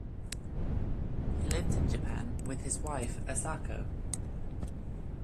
He lived in Japan with his wife Asako.